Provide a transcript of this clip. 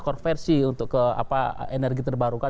konversi untuk energi terbarukan